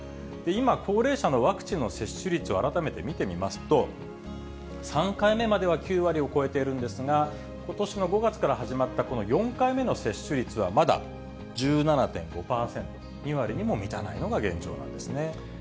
今、高齢者のワクチンの接種率を改めて見てみますと、３回目までは９割を超えてるんですが、ことしの５月から始まった、この４回目の接種率はまだ１７．５％、２割にも満たないのが現状なんですね。